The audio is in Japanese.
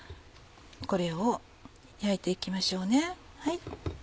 これを焼いて行きましょうね。